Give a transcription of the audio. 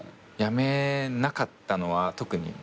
辞めなかったのは特に？